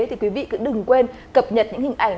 thì quý vị cứ đừng quên cập nhật những hình ảnh